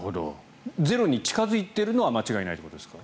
ゼロに近付いているのは間違いないってことですか？